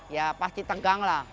ya pasti tegang lah